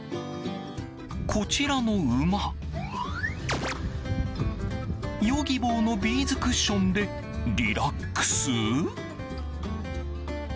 こちらの馬ヨギボーのビーズクッションでリラックス？